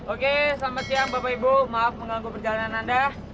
oke selamat siang bapak ibu maaf mengganggu perjalanan anda